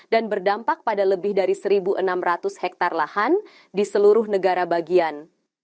dan berdampak pada lebih dari satu enam ratus hektare lahan di seluruh negara bagian